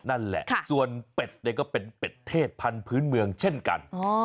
นั่นแหละส่วนเป็ดเนี่ยก็เป็นเป็ดเทศพันธุ์พื้นเมืองเช่นกัน